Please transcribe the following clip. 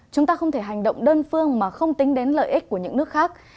chúng ta không thể hành động đơn phương mà không tính đến lợi ích của những nước khác